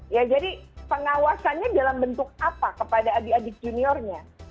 ya jadi pengawasannya dalam bentuk apa kepada adik adik juniornya